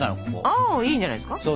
あいいんじゃないですか！